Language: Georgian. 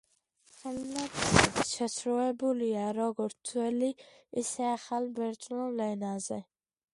ხელნაწერები შესრულებულია როგორც ძველ, ისე ახალ ბერძნულ ენაზე.